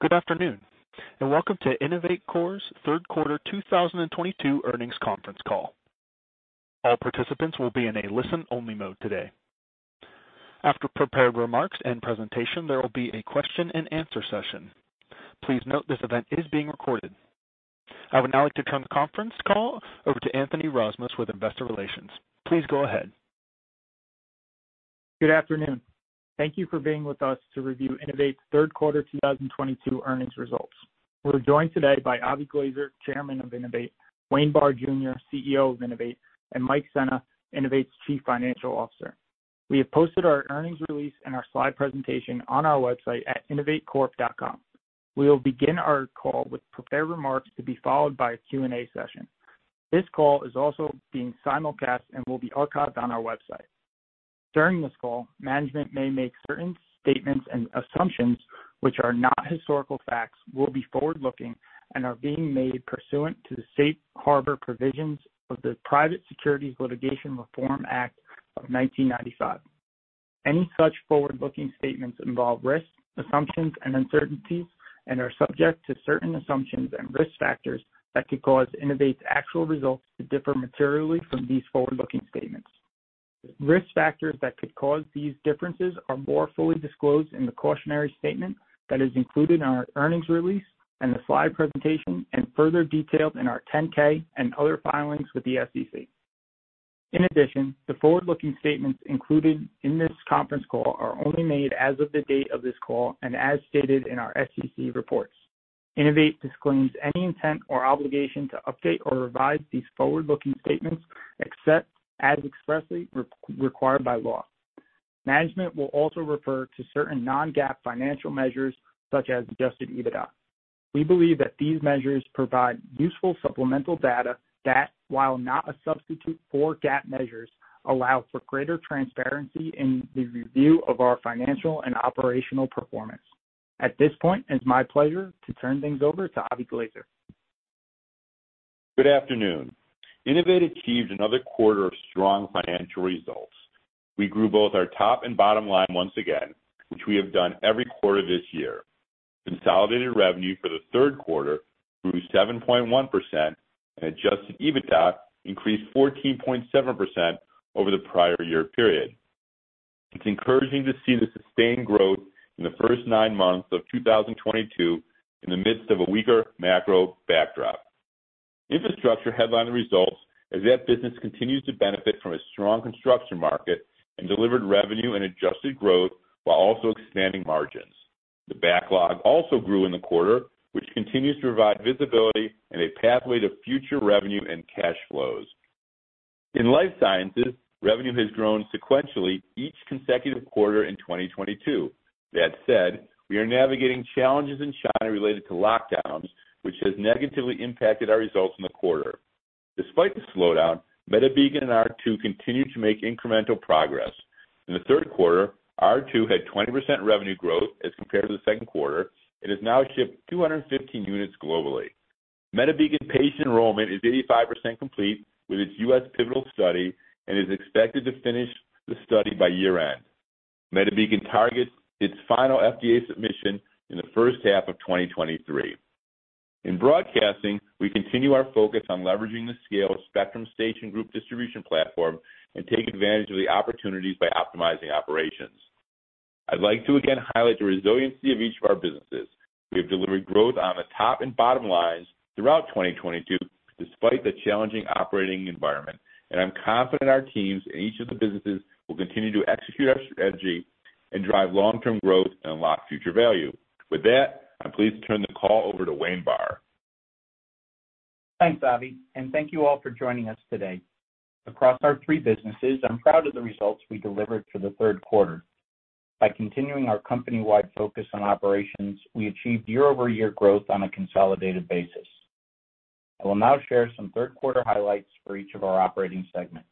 Good afternoon, and welcome to INNOVATE Corp.'s third quarter 2022 earnings conference call. All participants will be in a listen-only mode today. After prepared remarks and presentation, there will be a question-and-answer session. Please note this event is being recorded. I would now like to turn the conference call over to Anthony Rozmus with investor relations. Please go ahead. Good afternoon. Thank you for being with us to review INNOVATE's third quarter 2022 earnings results. We're joined today by Avram Glazer, Chairman of INNOVATE, Wayne Barr, Jr., CEO of INNOVATE, and Michael Sena, INNOVATE's chief financial officer. We have posted our earnings release and our slide presentation on our website at innovatecorp.com. We will begin our call with prepared remarks to be followed by a Q&A session. This call is also being simulcast and will be archived on our website. During this call, management may make certain statements and assumptions which are not historical facts, will be forward-looking, and are being made pursuant to the Safe Harbor provisions of the Private Securities Litigation Reform Act of 1995. Any such forward-looking statements involve risks, assumptions, and uncertainties and are subject to certain assumptions and risk factors that could cause Innovate's actual results to differ materially from these forward-looking statements. Risk factors that could cause these differences are more fully disclosed in the cautionary statement that is included in our earnings release and the slide presentation and further detailed in our 10-K and other filings with the SEC. In addition, the forward-looking statements included in this conference call are only made as of the date of this call and as stated in our SEC reports. Innovate disclaims any intent or obligation to update or revise these forward-looking statements except as expressly required by law. Management will also refer to certain non-GAAP financial measures such as adjusted EBITDA. We believe that these measures provide useful supplemental data that, while not a substitute for GAAP measures, allow for greater transparency in the review of our financial and operational performance. At this point, it's my pleasure to turn things over to Avram Glazer. Good afternoon. Innovate achieved another quarter of strong financial results. We grew both our top and bottom line once again, which we have done every quarter this year. Consolidated revenue for the third quarter grew 7.1%, and adjusted EBITDA increased 14.7% over the prior year period. It's encouraging to see the sustained growth in the first nine months of 2022 in the midst of a weaker macro backdrop. Infrastructure headlined the results as that business continues to benefit from a strong construction market and delivered revenue and adjusted growth while also expanding margins. The backlog also grew in the quarter, which continues to provide visibility and a pathway to future revenue and cash flows. In life sciences, revenue has grown sequentially each consecutive quarter in 2022. That said, we are navigating challenges in China related to lockdowns, which has negatively impacted our results in the quarter. Despite the slowdown, MediBeacon and R2 continue to make incremental progress. In the third quarter, R2 had 20% revenue growth as compared to the second quarter and has now shipped 215 units globally. MediBeacon patient enrollment is 85% complete with its U.S. pivotal study and is expected to finish the study by year-end. MediBeacon targets its final FDA submission in the first half of 2023. In broadcasting, we continue our focus on leveraging the scale of Spectrum Station group distribution platform and take advantage of the opportunities by optimizing operations. I'd like to again highlight the resiliency of each of our businesses. We have delivered growth on the top and bottom lines throughout 2022 despite the challenging operating environment. I'm confident our teams in each of the businesses will continue to execute our strategy and drive long-term growth and unlock future value. With that, I'm pleased to turn the call over to Wayne Barr, Jr. Thanks, Avram, and thank you all for joining us today. Across our three businesses, I'm proud of the results we delivered for the third quarter. By continuing our company-wide focus on operations, we achieved year-over-year growth on a consolidated basis. I will now share some third quarter highlights for each of our operating segments.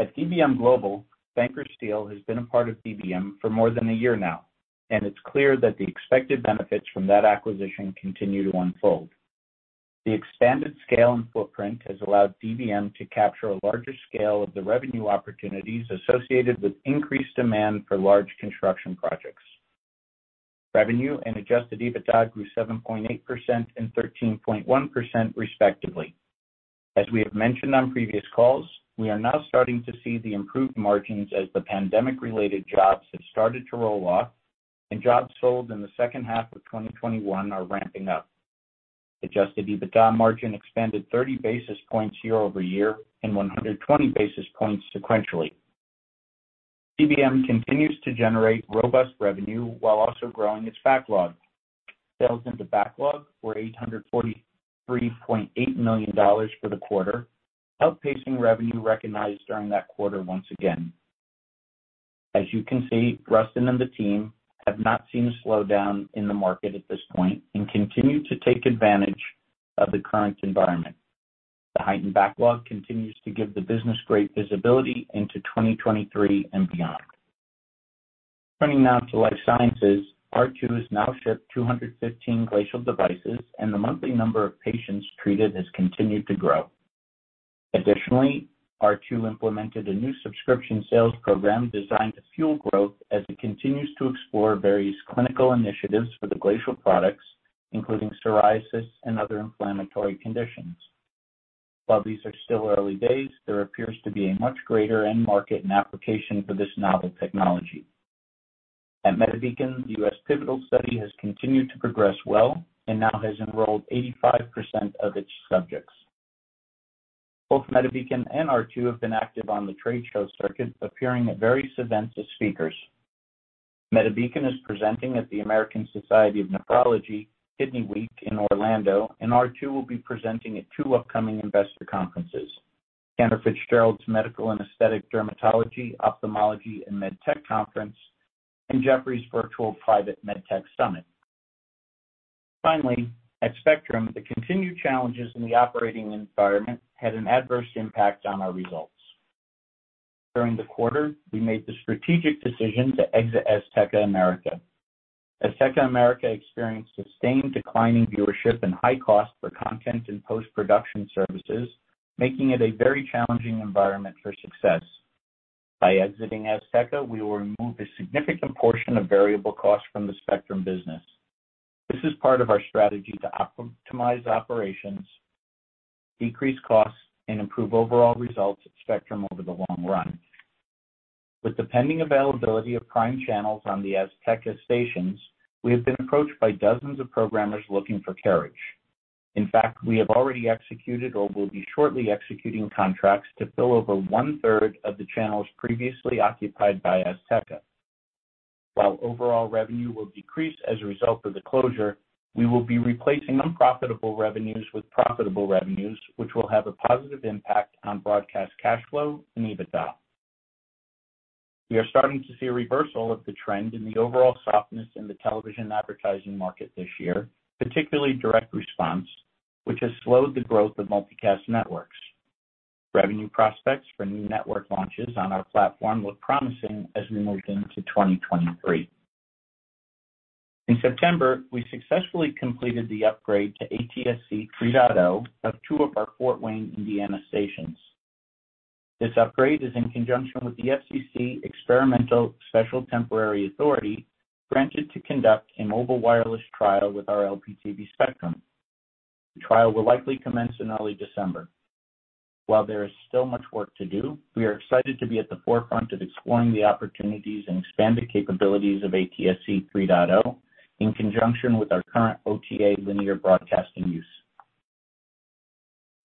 At DBM Global, Banker Steel has been a part of DBM for more than a year now, and it's clear that the expected benefits from that acquisition continue to unfold. The expanded scale and footprint has allowed DBM to capture a larger scale of the revenue opportunities associated with increased demand for large construction projects. Revenue and adjusted EBITDA grew 7.8% and 13.1%, respectively. As we have mentioned on previous calls, we are now starting to see the improved margins as the pandemic-related jobs have started to roll off and jobs sold in the second half of 2021 are ramping up. Adjusted EBITDA margin expanded 30 basis points year-over-year and 120 basis points sequentially. DBM continues to generate robust revenue while also growing its backlog. Sales into backlog were $843.8 million for the quarter, outpacing revenue recognized during that quarter once again. As you can see, Rustin and the team have not seen a slowdown in the market at this point and continue to take advantage of the current environment. The heightened backlog continues to give the business great visibility into 2023 and beyond. Turning now to life sciences. R2 has now shipped 215 Glacial devices, and the monthly number of patients treated has continued to grow. Additionally, R2 implemented a new subscription sales program designed to fuel growth as it continues to explore various clinical initiatives for the Glacial products, including psoriasis and other inflammatory conditions. While these are still early days, there appears to be a much greater end market and application for this novel technology. At MediBeacon, the U.S. pivotal study has continued to progress well and now has enrolled 85% of its subjects. Both MediBeacon and R2 have been active on the trade show circuit, appearing at various events as speakers. MediBeacon is presenting at the American Society of Nephrology Kidney Week in Orlando, and R2 will be presenting at two upcoming investor conferences, Cantor Fitzgerald's Medical and Aesthetic Dermatology, Ophthalmology, and MedTech Conference, and Jefferies Virtual Private MedTech Summit. Finally, at Spectrum, the continued challenges in the operating environment had an adverse impact on our results. During the quarter, we made the strategic decision to exit Azteca America. Azteca America experienced sustained declining viewership and high cost for content and post-production services, making it a very challenging environment for success. By exiting Azteca, we will remove a significant portion of variable costs from the Spectrum business. This is part of our strategy to optimize operations, decrease costs, and improve overall results at Spectrum over the long run. With the pending availability of prime channels on the Azteca stations, we have been approached by dozens of programmers looking for carriage. In fact, we have already executed or will be shortly executing contracts to fill over one-third of the channels previously occupied by Azteca. While overall revenue will decrease as a result of the closure, we will be replacing unprofitable revenues with profitable revenues, which will have a positive impact on broadcast cash flow and EBITDA. We are starting to see a reversal of the trend in the overall softness in the television advertising market this year, particularly direct response, which has slowed the growth of multicast networks. Revenue prospects for new network launches on our platform look promising as we move into 2023. In September, we successfully completed the upgrade to ATSC 3.0 of two of our Fort Wayne, Indiana, stations. This upgrade is in conjunction with the FCC experimental special temporary authority granted to conduct a mobile wireless trial with our LPTV spectrum. The trial will likely commence in early December. While there is still much work to do, we are excited to be at the forefront of exploring the opportunities and expanded capabilities of ATSC 3.0 in conjunction with our current OTA linear broadcasting use.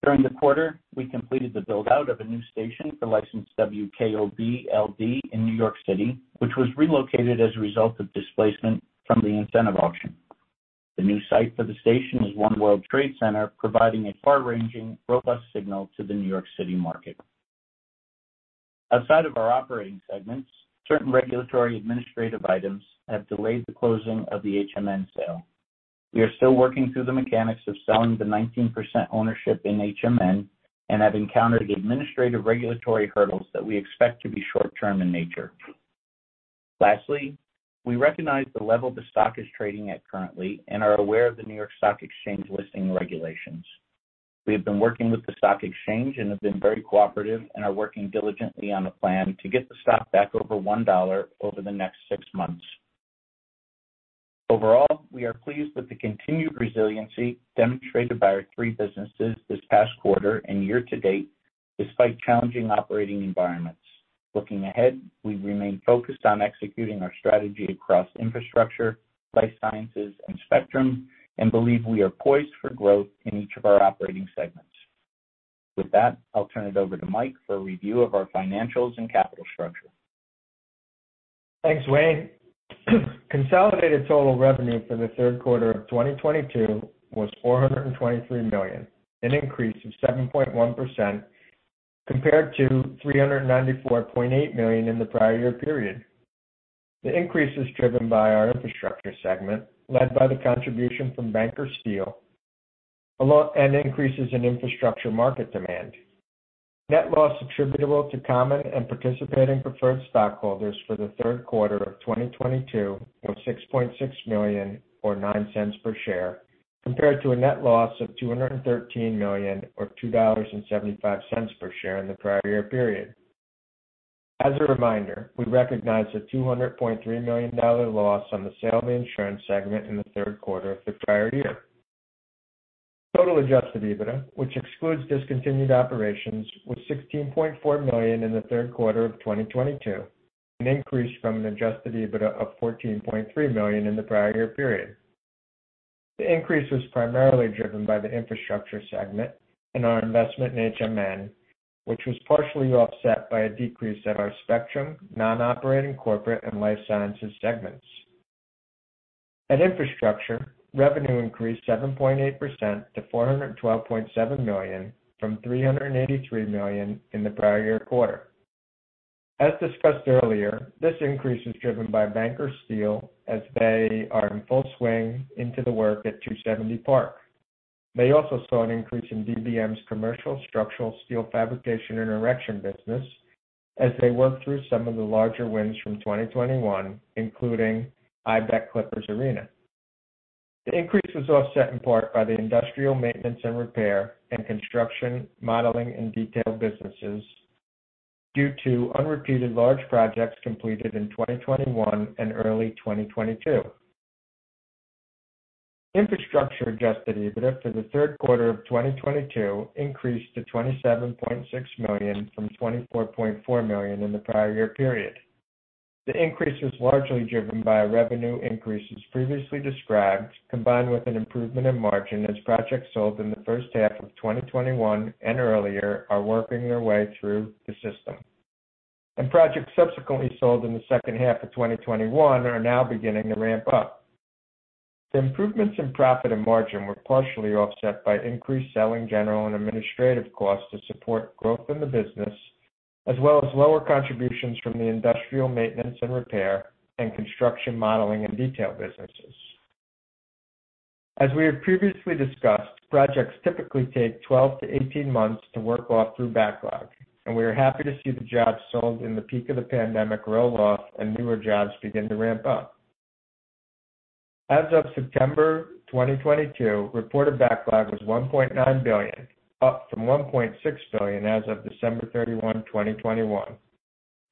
During the quarter, we completed the build-out of a new station for licensed WKOB-LD in New York City, which was relocated as a result of displacement from the incentive auction. The new site for the station is One World Trade Center, providing a far-ranging, robust signal to the New York City market. Outside of our operating segments, certain regulatory administrative items have delayed the closing of the HMN sale. We are still working through the mechanics of selling the 19% ownership in HMN and have encountered administrative regulatory hurdles that we expect to be short-term in nature. Lastly, we recognize the level the stock is trading at currently and are aware of the New York Stock Exchange listing regulations. We have been working with the stock exchange and have been very cooperative and are working diligently on a plan to get the stock back over $1 over the next six months. Overall, we are pleased with the continued resiliency demonstrated by our three businesses this past quarter and year to date, despite challenging operating environments. Looking ahead, we remain focused on executing our strategy across infrastructure, life sciences, and spectrum and believe we are poised for growth in each of our operating segments. With that, I'll turn it over to Mike for a review of our financials and capital structure. Thanks, Wayne. Consolidated total revenue for the third quarter of 2022 was $423 million, an increase of 7.1% compared to $394.8 million in the prior year period. The increase is driven by our infrastructure segment, led by the contribution from Banker Steel, and increases in infrastructure market demand. Net loss attributable to common and participating preferred stockholders for the third quarter of 2022 was $6.6 million or 9 cents per share, compared to a net loss of $213 million or $2.75 per share in the prior year period. As a reminder, we recognized a $200.3 million dollar loss on the sale of the insurance segment in the third quarter of the prior year. Total adjusted EBITDA, which excludes discontinued operations, was $16.4 million in the third quarter of 2022, an increase from an adjusted EBITDA of $14.3 million in the prior year period. The increase was primarily driven by the Infrastructure segment and our investment in HMN, which was partially offset by a decrease at our Spectrum, non-operating corporate, and Life Sciences segments. At Infrastructure, revenue increased 7.8% to $412.7 million from $383 million in the prior year quarter. As discussed earlier, this increase is driven by Banker Steel as they are in full swing into the work at 270 Park Avenue. They also saw an increase in DBM's commercial structural, steel fabrication, and erection business as they work through some of the larger wins from 2021, including Intuit Dome. The increase was offset in part by the industrial maintenance and repair and construction modeling and detail businesses due to unrepeated large projects completed in 2021 and early 2022. Infrastructure adjusted EBITDA for the third quarter of 2022 increased to $27.6 million from $24.4 million in the prior year period. The increase was largely driven by revenue increases previously described, combined with an improvement in margin as projects sold in the first half of 2021 and earlier are working their way through the system. Projects subsequently sold in the second half of 2021 are now beginning to ramp up. The improvements in profit and margin were partially offset by increased selling, general, and administrative costs to support growth in the business, as well as lower contributions from the industrial maintenance and repair and construction modeling and detail businesses. We have previously discussed that projects typically take 12-18 months to work off through backlog, and we are happy to see the jobs sold in the peak of the pandemic roll off and newer jobs begin to ramp up. As of September 2022, reported backlog was $1.9 billion, up from $1.6 billion as of December 31, 2021.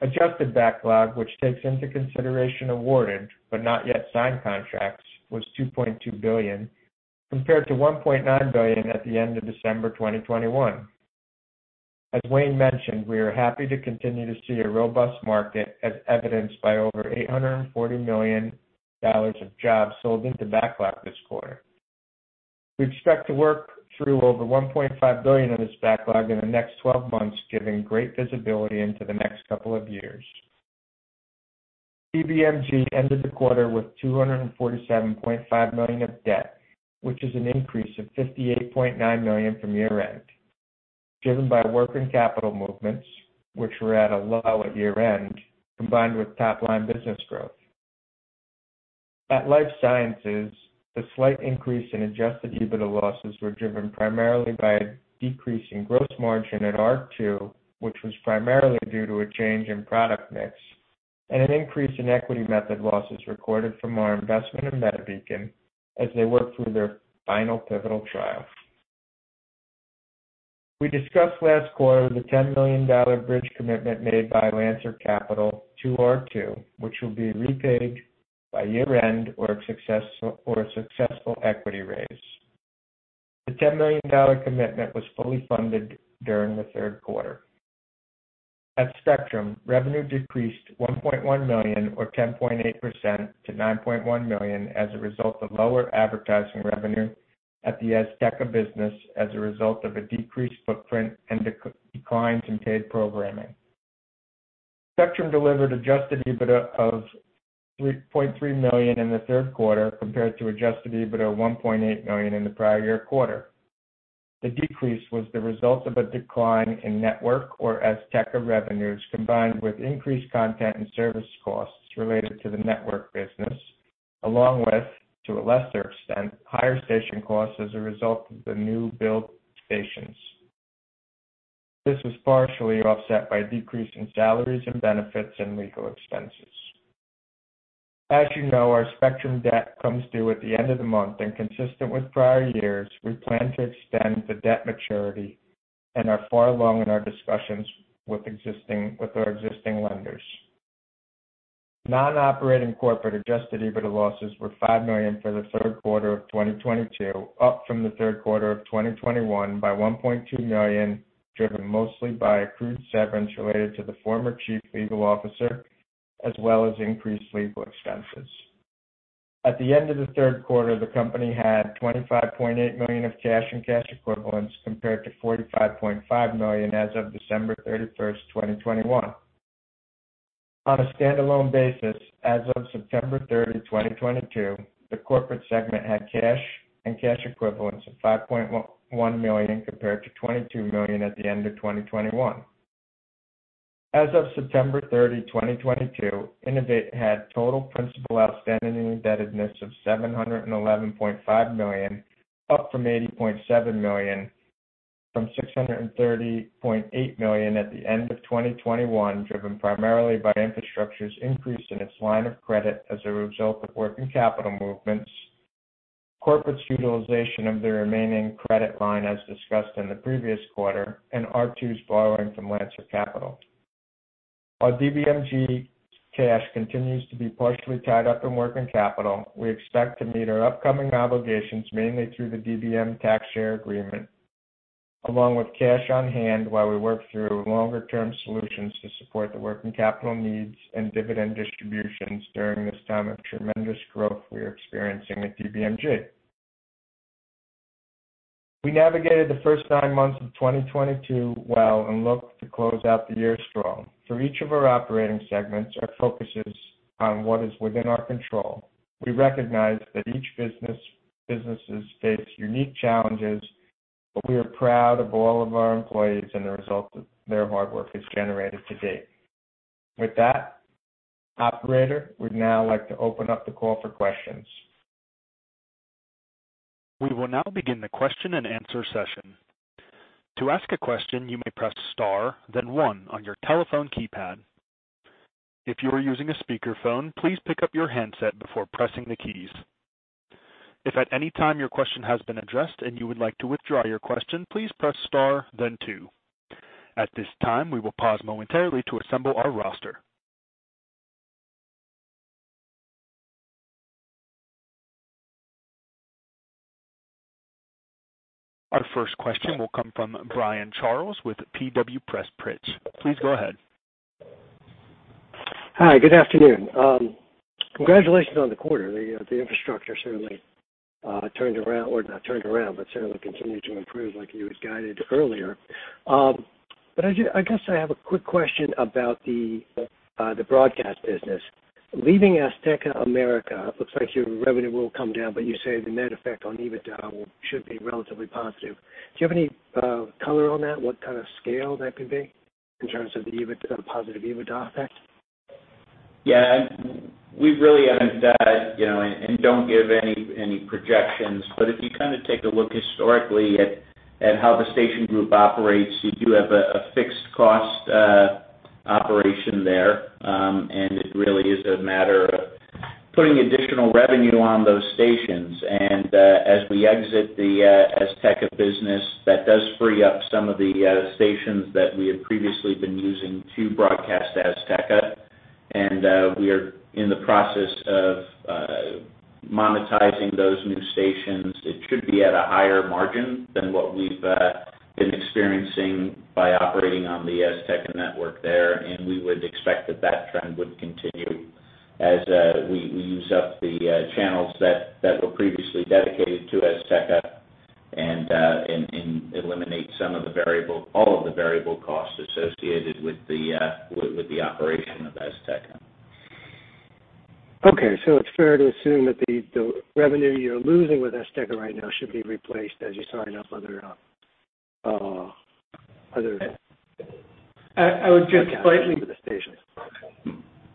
Adjusted backlog, which takes into consideration awarded but not yet signed contracts, was $2.2 billion, compared to $1.9 billion at the end of December 2021. As Wayne mentioned, we are happy to continue to see a robust market, as evidenced by over $840 million of jobs sold into backlog this quarter. We expect to work through over $1.5 billion of this backlog in the next twelve months, giving great visibility into the next couple of years. DBM Global ended the quarter with $247.5 million of debt, which is an increase of $58.9 million from year-end, driven by working capital movements, which were at a low at year-end, combined with top-line business growth. At Life Sciences, the slight increase in adjusted EBITDA losses were driven primarily by a decrease in gross margin at R2, which was primarily due to a change in product mix and an increase in equity method losses recorded from our investment in MediBeacon as they work through their final pivotal trial. We discussed last quarter the $10 million bridge commitment made by Lancer Capital to R2, which will be repaid by year-end or a successful equity raise. The $10 million commitment was fully funded during the third quarter. At Spectrum, revenue decreased $1.1 million, or 10.8%, to $9.1 million as a result of lower advertising revenue at the Azteca business as a result of a decreased footprint and declines in paid programming. Spectrum delivered adjusted EBITDA of $3.3 million in the third quarter compared to adjusted EBITDA of $1.8 million in the prior year quarter. The decrease was the result of a decline in network or Azteca revenues, combined with increased content and service costs related to the network business, along with, to a lesser extent, higher station costs as a result of the new build stations. This was partially offset by a decrease in salaries and benefits and legal expenses. As you know, our Spectrum debt comes due at the end of the month, and consistent with prior years, we plan to extend the debt maturity and are far along in our discussions with our existing lenders. Non-operating corporate adjusted EBITDA losses were $5 million for the third quarter of 2022, up from the third quarter of 2021 by $1.2 million, driven mostly by accrued severance related to the former chief legal officer, as well as increased legal expenses. At the end of the third quarter, the company had $25.8 million of cash and cash equivalents, compared to $45.5 million as of December 31, 2021. On a stand-alone basis, as of September 3, 2022, the corporate segment had cash and cash equivalents of $5.1 million compared to $22 million at the end of 2021. As of September 30, 2022, Innovate had total principal outstanding in indebtedness of $711.5 million, up from $80.7 million to $630.8 million at the end of 2021, driven primarily by Infrastructure's increase in its line of credit as a result of working capital movements, Corporate's utilization of the remaining credit line as discussed in the previous quarter, and R2's borrowing from Lancer Capital. Our DBM cash continues to be partially tied up in working capital. We expect to meet our upcoming obligations mainly through the DBM tax share agreement, along with cash on hand while we work through longer-term solutions to support the working capital needs and dividend distributions during this time of tremendous growth we are experiencing with DBM. We navigated the first nine months of 2022 well and look to close out the year strong. For each of our operating segments, our focus is on what is within our control. We recognize that each businesses face unique challenges, but we are proud of all of our employees and the results that their hard work has generated to date. With that, operator, we'd now like to open up the call for questions. We will now begin the question and answer session. To ask a question, you may press star then one on your telephone keypad. If you are using a speakerphone, please pick up your handset before pressing the keys. If at any time your question has been addressed and you would like to withdraw your question, please press star then two. At this time, we will pause momentarily to assemble our roster. Our first question will come from Brian Charles with R. W. Pressprich Please go ahead. Hi, good afternoon. Congratulations on the quarter. The infrastructure certainly turned around or not turned around, but certainly continued to improve like you had guided earlier. I guess I have a quick question about the broadcast business. Leaving Azteca America, looks like your revenue will come down, but you say the net effect on EBITDA should be relatively positive. Do you have any color on that, what kind of scale that could be in terms of the positive EBITDA effect? Yeah. We really haven't said, you know, and don't give any projections. If you kind of take a look historically at how the Station Group operates, you do have a fixed cost operation there. It really is a matter of putting additional revenue on those stations. As we exit the Azteca business, that does free up some of the stations that we had previously been using to broadcast Azteca. We are in the process of monetizing those new stations. It should be at a higher margin than what we've been experiencing by operating on the Azteca network there, and we would expect that trend would continue as we use up the channels that were previously dedicated to Azteca and eliminate all of the variable costs associated with the operation of Azteca. It's fair to assume that the revenue you're losing with Azteca right now should be replaced as you sign up other I would just slightly. the stations.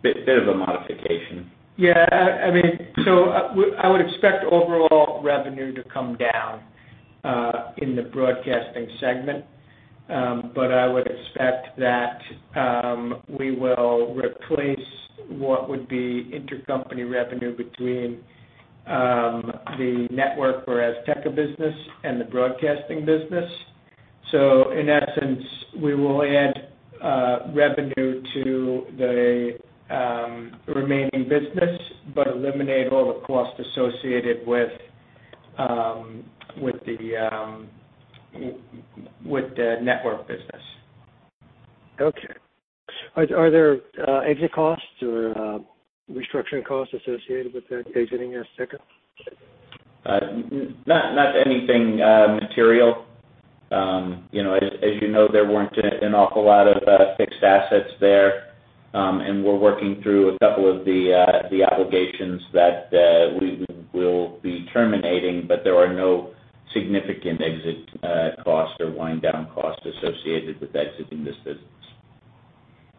Bit of a modification. Yeah. I mean, I would expect overall revenue to come down in the broadcasting segment. But I would expect that we will replace what would be intercompany revenue between the network for Azteca business and the broadcasting business. In essence, we will add revenue to the remaining business, but eliminate all the costs associated with the network business. Okay. Are there exit costs or restructuring costs associated with exiting Azteca? Not anything material. You know, as you know, there weren't an awful lot of fixed assets there. We're working through a couple of the obligations that we will be terminating, but there are no significant exit costs or wind down costs associated with exiting this business.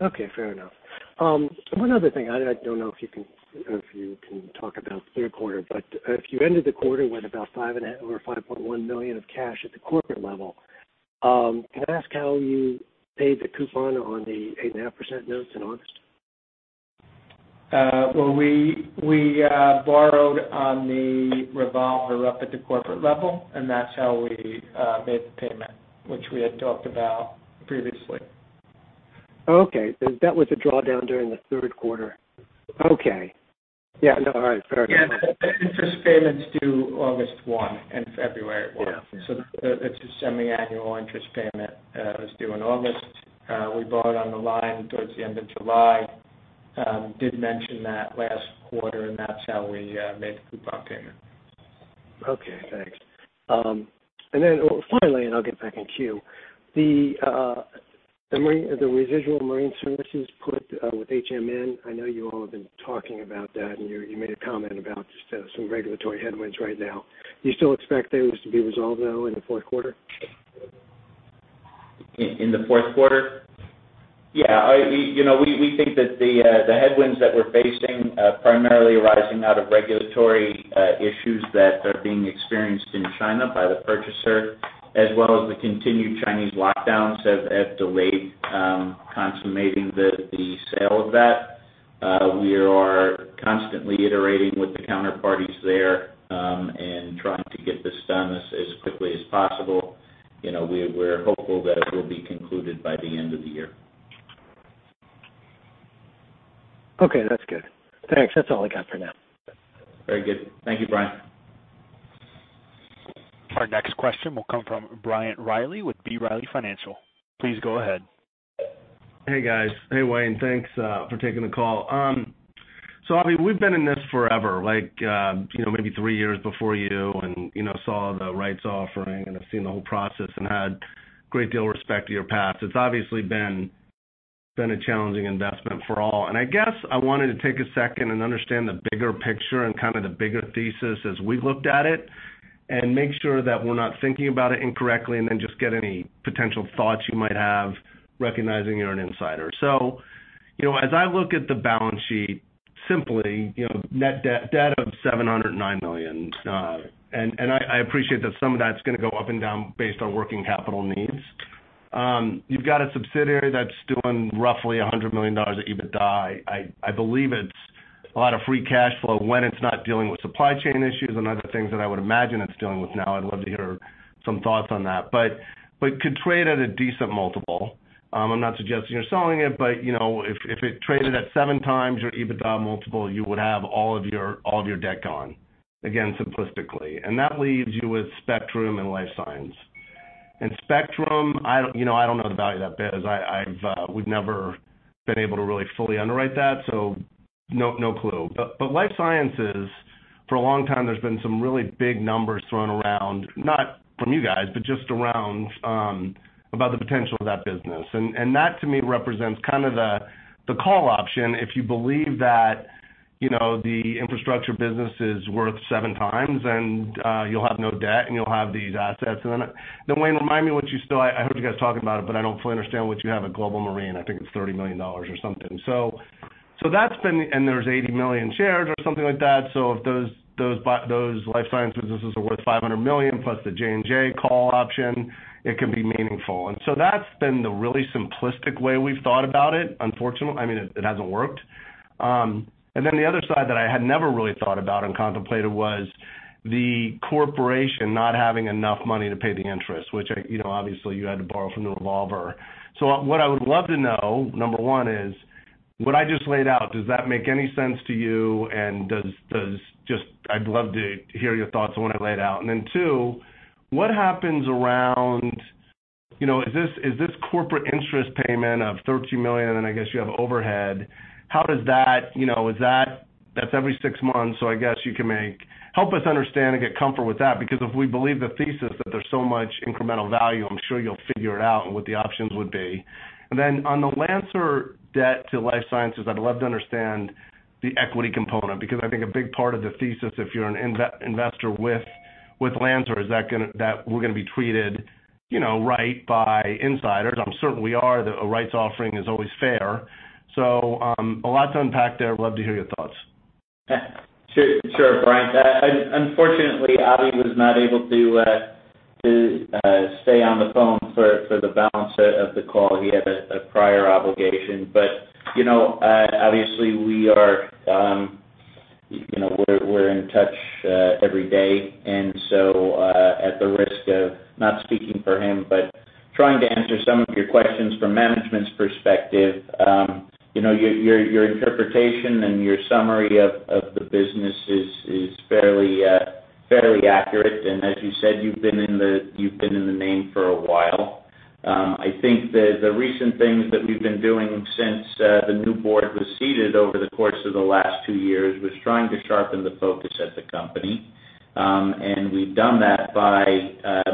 Okay. Fair enough. One other thing. I don't know if you can talk about third quarter, but if you ended the quarter with about $5.1 million of cash at the corporate level, can I ask how you paid the coupon on the 8.5% notes in August? Well, we borrowed on the revolver up at the corporate level, and that's how we made the payment, which we had talked about previously. Okay. That was a drawdown during the third quarter. Okay. Yeah. No, all right. Fair enough. Yeah. The interest payment's due August 1 and February 1. Yeah. It's a semi-annual interest payment, that's due in August. We borrowed on the line towards the end of July. Did mention that last quarter, and that's how we made the coupon payment. Okay, thanks. Then finally, and I'll get back in queue. The residual marine services put with HMN, I know you all have been talking about that, and you made a comment about just some regulatory headwinds right now. Do you still expect those to be resolved though in the fourth quarter? In the fourth quarter? Yeah, you know, we think that the headwinds that we're facing primarily arising out of regulatory issues that are being experienced in China by the purchaser, as well as the continued Chinese lockdowns have delayed consummating the sale of that. We are constantly iterating with the counterparties there and trying to get this done as quickly as possible. You know, we're hopeful that it will be concluded by the end of the year. Okay, that's good. Thanks. That's all I got for now. Very good. Thank you, Brian. Our next question will come from Bryant Riley with B. Riley Financial. Please go ahead. Hey, guys. Hey, Wayne. Thanks for taking the call. I mean, we've been in this forever, like, you know, maybe three years before you and, you know, saw the rights offering and have seen the whole process and had great deal of respect for your path. It's obviously been a challenging investment for all. I guess I wanted to take a second and understand the bigger picture and kind of the bigger thesis as we looked at it and make sure that we're not thinking about it incorrectly and then just get any potential thoughts you might have, recognizing you're an insider. You know, as I look at the balance sheet. Simply, you know, net debt of $709 million. I appreciate that some of that's gonna go up and down based on working capital needs. You've got a subsidiary that's doing roughly $100 million of EBITDA. I believe it's a lot of free cash flow when it's not dealing with supply chain issues and other things that I would imagine it's dealing with now. I'd love to hear some thoughts on that. It could trade at a decent multiple. I'm not suggesting you're selling it, but you know, if it traded at 7x your EBITDA multiple, you would have all of your debt gone, again, simplistically. That leaves you with Spectrum and Life Sciences. Spectrum, I don't know the value of that biz. We've never been able to really fully underwrite that, so no clue. Life Sciences, for a long time there's been some really big numbers thrown around, not from you guys, but just around, about the potential of that business. That to me represents kind of the call option, if you believe that, you know, the infrastructure business is worth 7x and you'll have no debt and you'll have these assets. Wayne, remind me what you still. I heard you guys talking about it, but I don't fully understand what you have at Global Marine. I think it's $30 million or something. That's been. There's 80 million shares or something like that. If those Life Sciences businesses are worth $500 million plus the J&J call option, it can be meaningful. That's been the really simplistic way we've thought about it, unfortunately. I mean, it hasn't worked. The other side that I had never really thought about and contemplated was the corporation not having enough money to pay the interest, which I, you know, obviously you had to borrow from the revolver. What I would love to know, number one, is what I just laid out, does that make any sense to you? Does just, I'd love to hear your thoughts on what I laid out. Two, what happens around, you know, is this corporate interest payment of $13 million and I guess you have overhead, how does that, you know, is that. That's every six months, so I guess you can make. Help us understand and get comfort with that because if we believe the thesis that there's so much incremental value, I'm sure you'll figure it out and what the options would be. Then on the Lancer debt to Life Sciences, I'd love to understand the equity component because I think a big part of the thesis if you're an investor with Lancer, is that we're gonna be treated, you know, right by insiders. I'm certain we are. The rights offering is always fair. A lot to unpack there. Would love to hear your thoughts. Sure, Bryant. Unfortunately, Avi was not able to stay on the phone for the balance of the call. He had a prior obligation. You know, obviously we are, you know, we're in touch every day. At the risk of not speaking for him, but trying to answer some of your questions from management's perspective, you know, your interpretation and your summary of the business is fairly accurate. As you said, you've been in the name for a while. I think the recent things that we've been doing since the new board was seated over the course of the last two years was trying to sharpen the focus at the company. We've done that by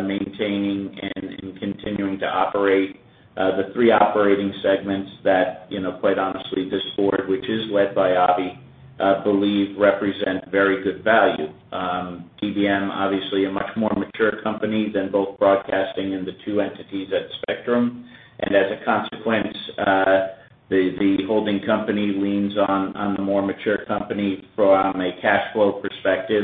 maintaining and continuing to operate the three operating segments that, you know, quite honestly, this board, which is led by Avi, believe represent very good value. DBM, obviously a much more mature company than both Broadcasting and the two entities at Spectrum. As a consequence, the holding company leans on the more mature company from a cash flow perspective,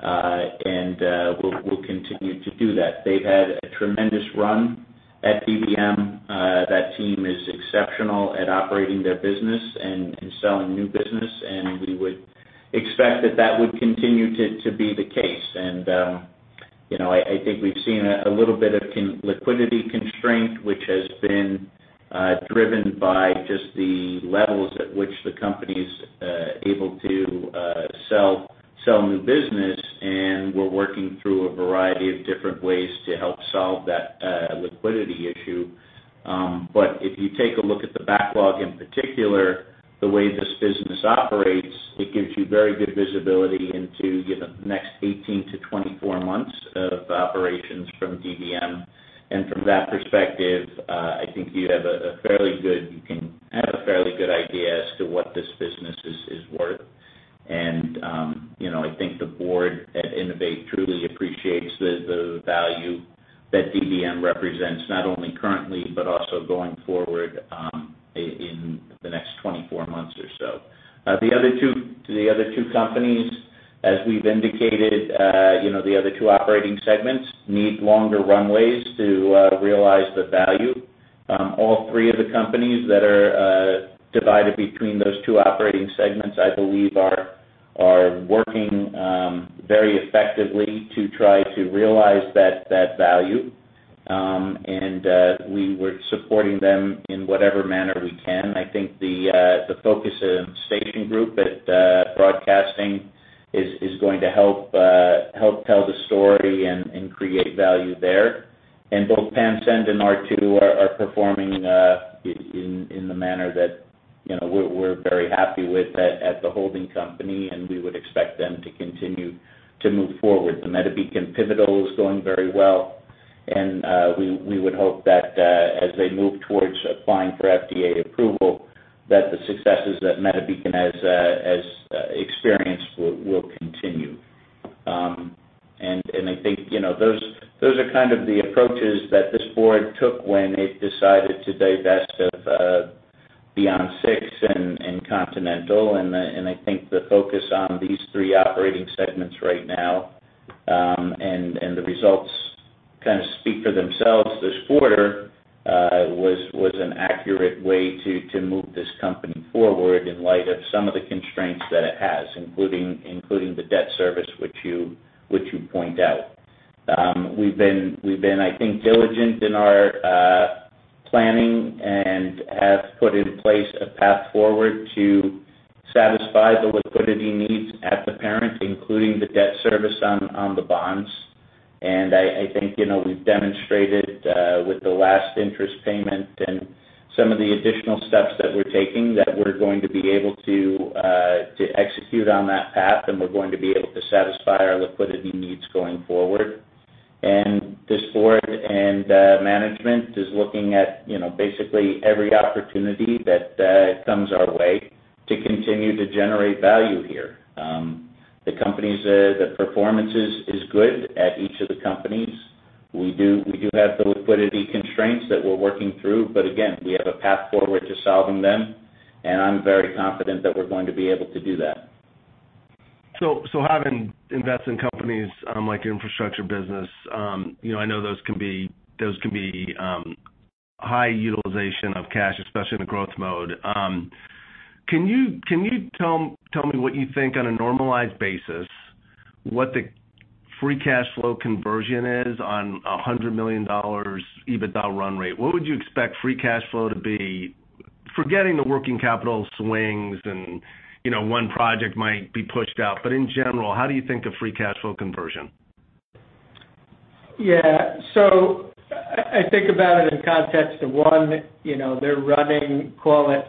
and we'll continue to do that. They've had a tremendous run at DBM. That team is exceptional at operating their business and selling new business, and we would expect that would continue to be the case. You know, I think we've seen a little bit of liquidity constraint, which has been driven by just the levels at which the company's able to sell new business. We're working through a variety of different ways to help solve that liquidity issue. But if you take a look at the backlog in particular, the way this business operates, it gives you very good visibility into, you know, the next 18-24 months of operations from DBM. From that perspective, I think you have a fairly good, you can have a fairly good idea as to what this business is worth. You know, I think the board at Innovate truly appreciates the value that DBM represents, not only currently, but also going forward, in the next 24 months or so. The other two companies, as we've indicated, you know, the other two operating segments need longer runways to realize the value. All three of the companies that are divided between those two operating segments, I believe are working very effectively to try to realize that value. We're supporting them in whatever manner we can. I think the focus of Station Group at Broadcasting is going to help tell the story and create value there. Both Pansend and R2 are performing in the manner that, you know, we're very happy with at the holding company, and we would expect them to continue to move forward. The MediBeacon pivotal is going very well and we would hope that as they move towards applying for FDA approval, that the successes that MediBeacon has experience will continue. I think, you know, those are kind of the approaches that this board took when it decided to divest of Beyond6 and Continental. I think the focus on these three operating segments right now, and the results kinda speak for themselves this quarter, was an accurate way to move this company forward in light of some of the constraints that it has, including the debt service, which you point out. We've been, I think, diligent in our planning and have put in place a path forward to satisfy the liquidity needs at the parent, including the debt service on the bonds. I think, you know, we've demonstrated with the last interest payment and some of the additional steps that we're taking that we're going to be able to execute on that path, and we're going to be able to satisfy our liquidity needs going forward. This board and management is looking at, you know, basically every opportunity that comes our way to continue to generate value here. The companies, the performances is good at each of the companies. We do have the liquidity constraints that we're working through, but again, we have a path forward to solving them, and I'm very confident that we're going to be able to do that. Having invested in companies like infrastructure business, you know, I know those can be high utilization of cash, especially in a growth mode. Can you tell me what you think on a normalized basis, what the free cash flow conversion is on a $100 million EBITDA run rate? What would you expect free cash flow to be, forgetting the working capital swings and one project might be pushed out, but in general, how do you think of free cash flow conversion? I think about it in context of one, you know, they're running call it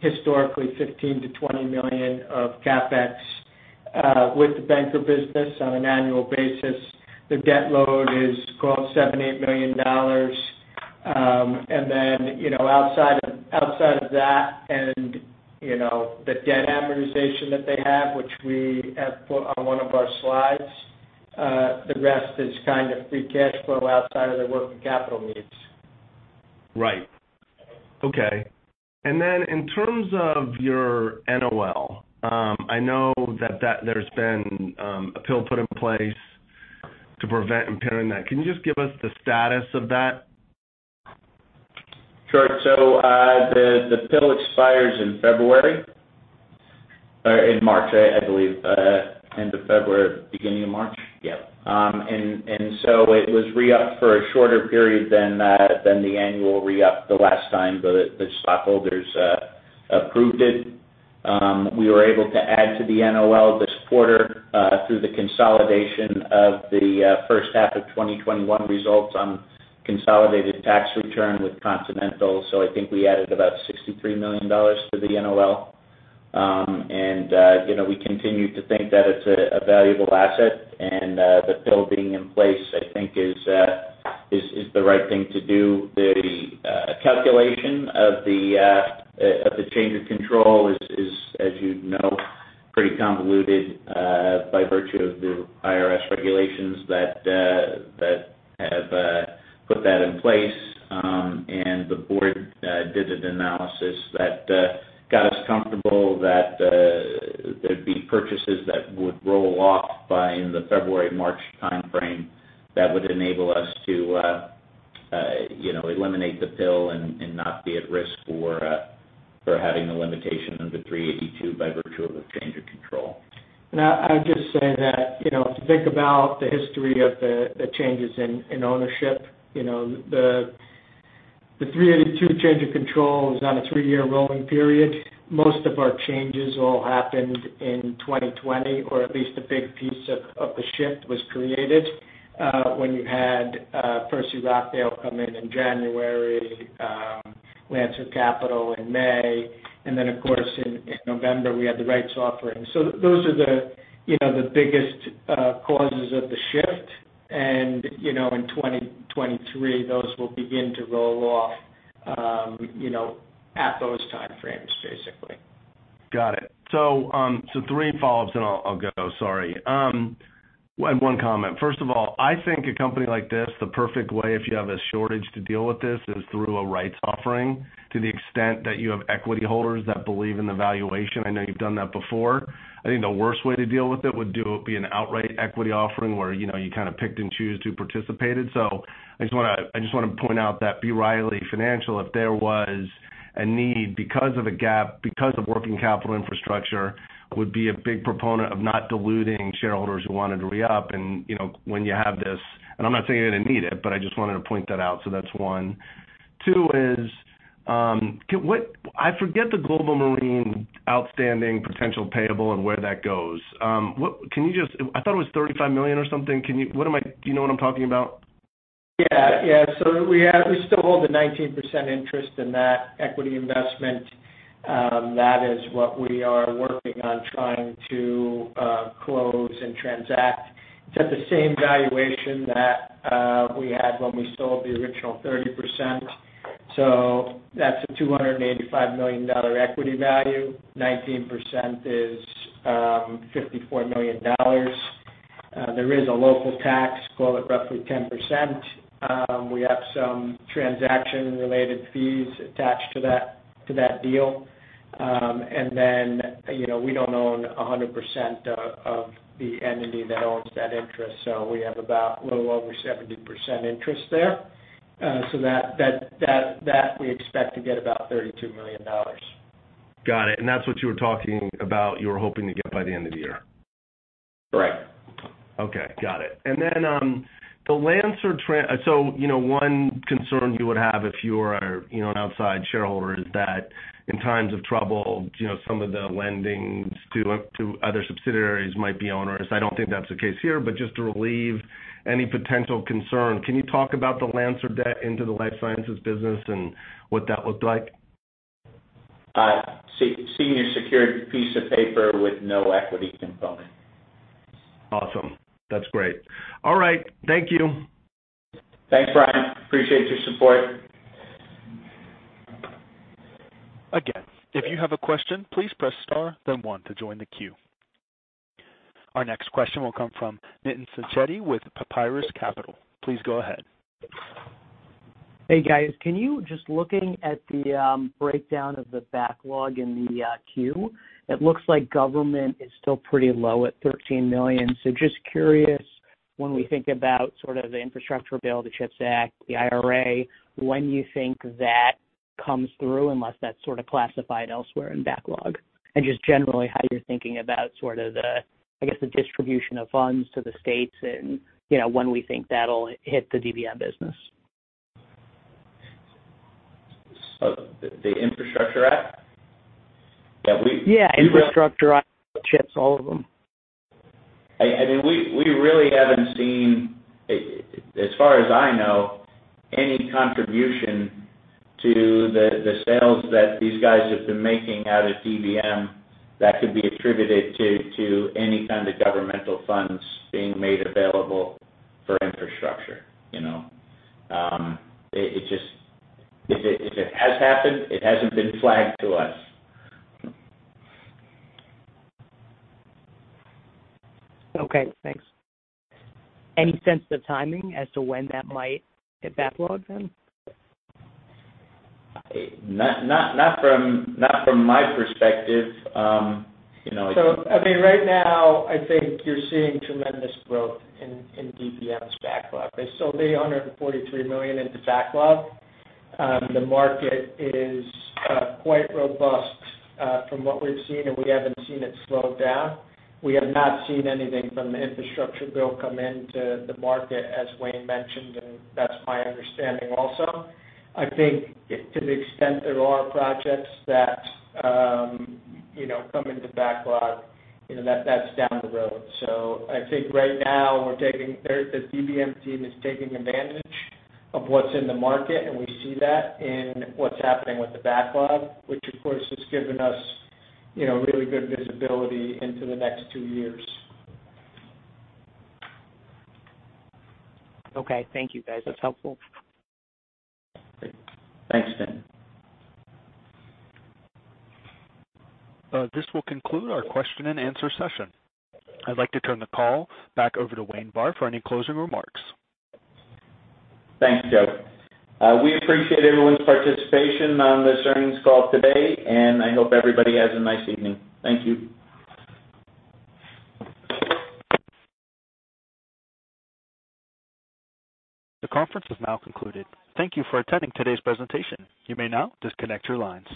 historically $15 million-$20 million of CapEx with the Banker Steel business on an annual basis. The debt load is call it $7 million-$8 million. Then, you know, outside of that and, you know, the debt amortization that they have, which we have put on one of our slides, the rest is kind of free cash flow outside of their working capital needs. Right. Okay. Then in terms of your NOL, I know that there's been a poison pill put in place to prevent impairing that. Can you just give us the status of that? Sure. The pill expires in February or in March, I believe. End of February, beginning of March. Yeah. It was re-upped for a shorter period than the annual re-up the last time the stockholders approved it. We were able to add to the NOL this quarter through the consolidation of the first half of 2021 results on consolidated tax return with Continental. I think we added about $63 million to the NOL. You know, we continue to think that it's a valuable asset and the pill being in place, I think is the right thing to do. The calculation of the change of control is as you'd know, pretty convoluted by virtue of the IRS regulations that have put that in place. The board did an analysis that got us comfortable that there'd be purchases that would roll off by in the February, March timeframe that would enable us to you know, eliminate the pill and not be at risk for having the limitation under Section 382 by virtue of a change of control. I would just say that, you know, to think about the history of the changes in ownership, you know, the Section 382 change of control is on a three year rolling period. Most of our changes all happened in 2020, or at least a big piece of the shift was created when you had firstly Rochdale come in in January, Lancer Capital in May, and then of course in November, we had the rights offering. So those are the biggest causes of the shift. You know, in 2023, those will begin to roll off, you know, at those timeframes, basically. Got it. Three follow-ups, and I'll go. Sorry. One comment. First of all, I think a company like this, the perfect way if you have a shortage to deal with this is through a rights offering to the extent that you have equity holders that believe in the valuation. I know you've done that before. I think the worst way to deal with it would be an outright equity offering where, you know, you kind of picked and choose who participated. I just wanna point out that B. Riley Financial, if there was a need because of a gap, because of working capital infrastructure, would be a big proponent of not diluting shareholders who wanted to re-up. You know, when you have this, and I'm not saying you're gonna need it, but I just wanted to point that out, so that's one. Two is, I forget the Global Marine outstanding potential payable and where that goes. I thought it was $35 million or something. Do you know what I'm talking about? We still hold a 19% interest in that equity investment. That is what we are working on trying to Close and transact. It's at the same valuation that we had when we sold the original 30%. That's a $285 million equity value. 19% is $54 million. There is a local tax, call it roughly 10%. We have some transaction-related fees attached to that deal. You know, we don't own 100% of the entity that owns that interest, so we have about a little over 70% interest there. That we expect to get about $32 million. Got it. That's what you were talking about, you were hoping to get by the end of the year. Right. You know, one concern you would have if you were, you know, an outside shareholder is that in times of trouble, you know, some of the lendings to to other subsidiaries might be onerous. I don't think that's the case here, but just to relieve any potential concern, can you talk about the Lancer debt into the life sciences business and what that looked like? Senior secured piece of paper with no equity component. Awesome. That's great. All right. Thank you. Thanks, Brian. Appreciate your support. Again, if you have a question, please press star then one to join the queue. Our next question will come from Nitin Sacheti with Papyrus Capital. Please go ahead. Hey, guys. Looking at the breakdown of the backlog in the queue, it looks like government is still pretty low at $13 million. Just curious, when we think about sort of the Infrastructure Bill, the CHIPS Act, the IRA, when you think that comes through, unless that's sort of classified elsewhere in backlog, and just generally how you're thinking about sort of the, I guess, the distribution of funds to the states and, you know, when we think that'll hit the DBM business. The Infrastructure Act? Yeah, Yeah, Infrastructure Act, CHIPS, all of them. I mean, we really haven't seen, as far as I know, any contribution to the sales that these guys have been making out of DBM that could be attributed to any kind of governmental funds being made available for infrastructure, you know. If it has happened, it hasn't been flagged to us. Okay, thanks. Any sense of timing as to when that might hit backlog then? Not from my perspective, you know. I mean, right now, I think you're seeing tremendous growth in DBM's backlog. They sold $143 million into backlog. The market is quite robust from what we've seen, and we haven't seen it slow down. We have not seen anything from the infrastructure bill come into the market, as Wayne mentioned, and that's my understanding also. I think to the extent there are projects that come into backlog, that's down the road. I think right now the DBM team is taking advantage of what's in the market, and we see that in what's happening with the backlog, which of course has given us really good visibility into the next two years. Okay. Thank you, guys. That's helpful. Great. Thanks, Nitin. This will conclude our question and answer session. I'd like to turn the call back over to Wayne Barr, Jr. for any closing remarks. Thanks, Joe. We appreciate everyone's participation on this earnings call today, and I hope everybody has a nice evening. Thank you. The conference is now concluded. Thank you for attending today's presentation. You may now disconnect your lines.